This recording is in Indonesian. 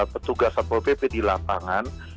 petugas satpol pp di lapangan